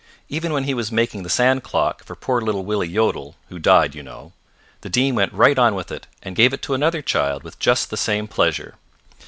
Even when he was making the sand clock for poor little Willie Yodel (who died, you know) the Dean went right on with it and gave it to another child with just the same pleasure.